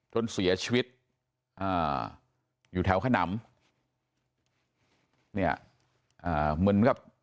จนเสียชีวิตอยู่แถวขนำ